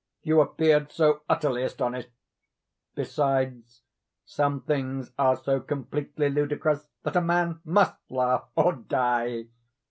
You appeared so utterly astonished. Besides, some things are so completely ludicrous, that a man must laugh or die.